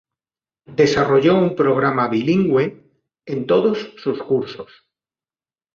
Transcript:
Desarrolla un programa bilingüe en todos sus cursos.